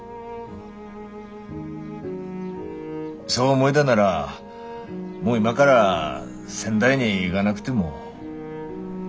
そう思えだならもう今から仙台に行がなくても。